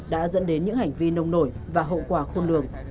đã dẫn đến những hành vi nông nổi và hậu quả khôn lường